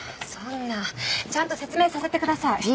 そんなちゃんと説明させてください。